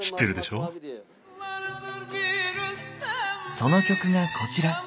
その曲がこちら。